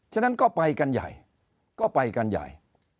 ฉะนั้นก็ไปกันใหญ่ก็ไปกันใหญ่